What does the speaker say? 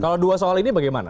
kalau dua soal ini bagaimana